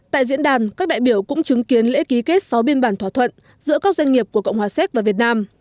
tại diễn đàn các đại biểu cũng chứng kiến lễ ký kết sáu biên bản thỏa thuận giữa các doanh nghiệp của cộng hòa séc và việt nam